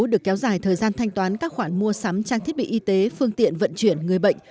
được kéo dài thời gian thanh toán các khoản mua sắm trang thiết bị y tế phương tiện vận chuyển người bệnh